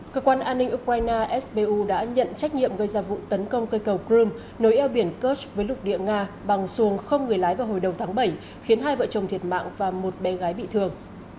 cơ quan an ninh ukraine sbu đã nhận trách nhiệm gây ra vụ tấn công cây cầu crimea nối eo biển kursk với lục địa nga bằng xuồng không người lái vào hồi đầu tháng bảy khiến hai vợ chồng thiệt mạng và một bé gái bị thương